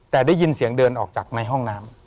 แต่ได้ยินเสียงเดินออกจากในห้องน้ำ